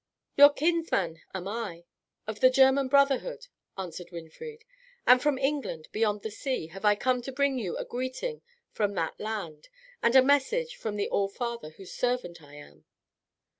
"Your kinsman am I, of the German brotherhood," answered Winfried, "and from England, beyond the sea, have I come to bring you a greeting from that land, and a message from the All Father, whose servant I am."